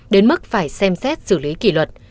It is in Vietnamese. đến mức phải xem xét xử lý kỷ luật